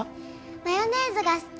マヨネーズが好き。